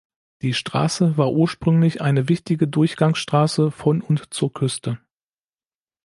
Die Straße war ursprünglich eine wichtige Durchgangsstraße von und zur Küste.